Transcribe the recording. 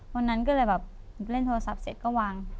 วันนั้นก็เลยแบบเล่นโทรศัพท์เสร็จก็วาง